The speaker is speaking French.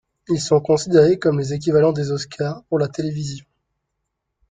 Ils sont considérés comme les équivalents des Oscars pour la télévision.